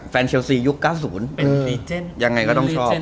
เชลซียุค๙๐เป็นยังไงก็ต้องชอบ